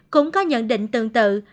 cũng có nhận định tương tự